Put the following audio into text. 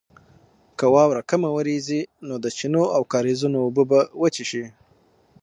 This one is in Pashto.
که واوره کمه وورېږي نو د چینو او کاریزونو اوبه به وچې شي.